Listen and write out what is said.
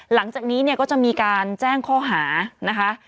หลังจากนี้เนี่ยก็จะมีการแจ้งข้อหานะคะ